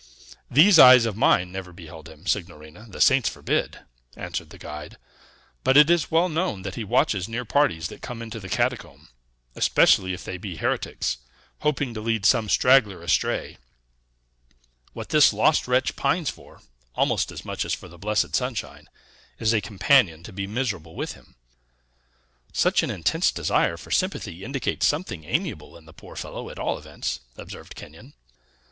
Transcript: "These eyes of mine never beheld him, signorina; the saints forbid!" answered the guide. "But it is well known that he watches near parties that come into the catacomb, especially if they be heretics, hoping to lead some straggler astray. What this lost wretch pines for, almost as much as for the blessed sunshine, is a companion to be miserable with him." "Such an intense desire for sympathy indicates something amiable in the poor fellow, at all events," observed Kenyon.